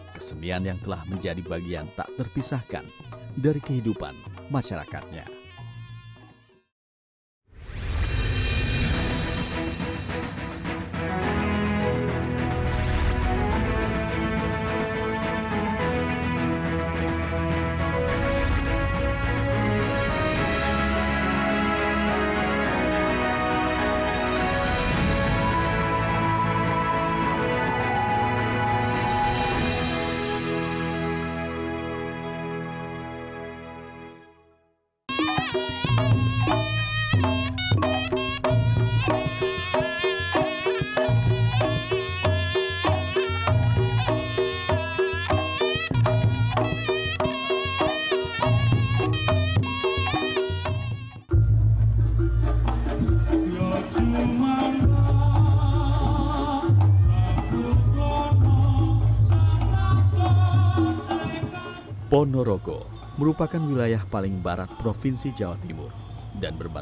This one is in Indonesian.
kesenian yang telah menjadi bagian tak terpisahkan dari kehidupan masyarakatnya